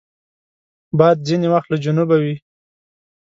باد ځینې وخت له جنوبه وي